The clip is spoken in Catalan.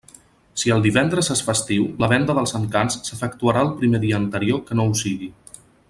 Si el divendres és festiu, la venda dels Encants s'efectuarà el primer dia anterior que no ho sigui.